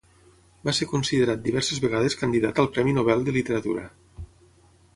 Va ser considerat diverses vegades candidat al Premi Nobel de Literatura.